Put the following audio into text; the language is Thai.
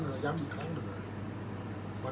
อันไหนที่มันไม่จริงแล้วอาจารย์อยากพูด